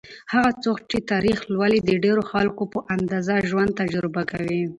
هغه څوک چې تاریخ لولي، د ډېرو خلکو په اندازه ژوند تجربه کوي.